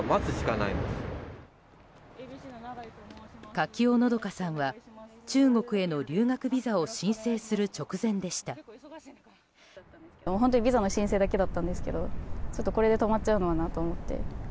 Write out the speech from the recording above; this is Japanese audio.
垣尾和さんは、中国への留学ビザを申請する直前でした。